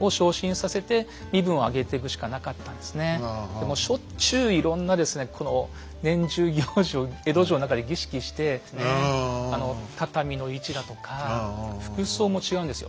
でもしょっちゅういろんなですねこの年中行事を江戸城の中で儀式して畳の位置だとか服装も違うんですよ。